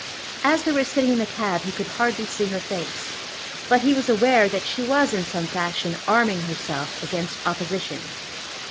As they were sitting in the cab he could hardly see her face, but he was aware that she was in some fashion arming herself against opposition.